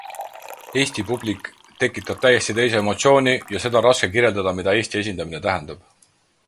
Eesti publik tektab täiesti teise emotsiooni ja seda on raske kirjeldada, mida Eesti esindamine tähendab.